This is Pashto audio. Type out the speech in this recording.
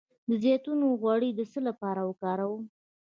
د زیتون غوړي د څه لپاره وکاروم؟